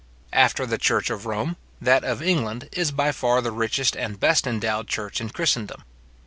After the church of Rome, that of England is by far the richest and best endowed church in Christendom.